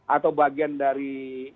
atau bagian dari